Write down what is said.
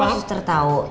oh sus tertahu